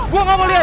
gua nggak mau liat